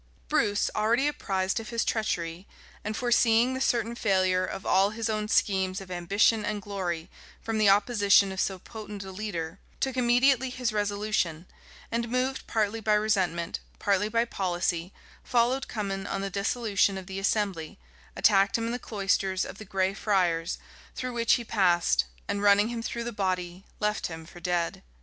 [*] Bruce, already apprised of his treachery, and foreseeing the certain failure of all his own schemes of ambition and glory from the opposition of so potent a leader, took immediately his resolution; and moved partly by resentment, partly by policy, followed Cummin on the dissolution of the assembly, attacked him in the cloisters of the Gray Friars, through which he passed, and running him through the body, left him for dead.